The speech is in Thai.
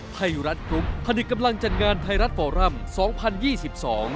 ไทยรัฐกรุ๊ปธนิกกำลังจัดงานไทยรัฐฟอรัมน์๒๐๒๒